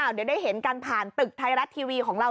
เดี๋ยวได้เห็นกันผ่านตึกไทยรัฐทีวีของเรา